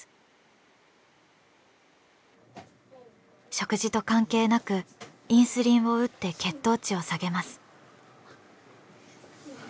食事と関係なくインスリンを打って血糖値を下げます。